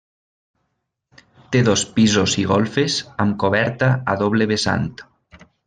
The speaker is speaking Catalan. Té dos pisos i golfes amb coberta a doble vessant.